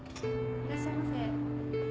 ・・いらっしゃいませ。